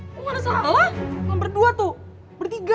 lu mana salah lu berdua tuh bertiga